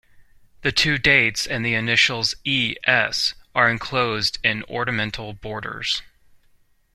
The two dates and the initials E. S. are enclosed in ornamental borders.